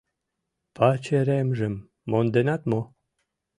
— Пачеремжым монденат мо?